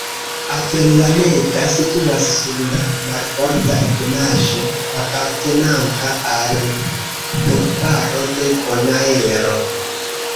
Avellaneda situas sur la marborda ebenaĵo apartenanta al urbaro de Bonaero.